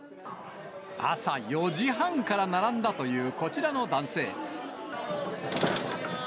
朝４時半から並んだというこちらの男性。